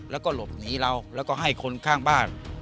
แล้วก็หลบหนีเราแล้วก็ให้คนข้างบ้าน